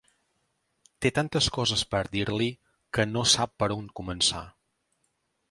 Té tantes coses per dir-li que no sap per on començar.